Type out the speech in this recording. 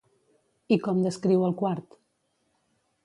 I com descriu el quart?